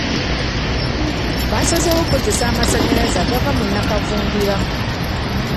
Basazeewo okukozesa amasannayaze agava mu nnakavundira.